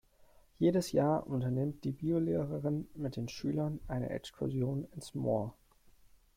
Jedes Jahr unternimmt die Biolehrerin mit den Schülern eine Exkursion ins Moor.